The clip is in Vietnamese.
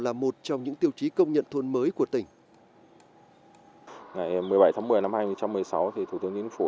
là một trong những tiêu chí công nhận thuần mới của tỉnh